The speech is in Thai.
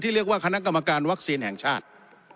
เรียกว่าคณะกรรมการวัคซีนแห่งชาติ